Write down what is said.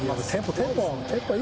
テンポ。